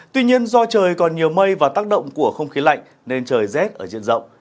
tuy nhiên do trời còn nhiều mây và tác động của không khí lạnh nên trời rét ở diện rộng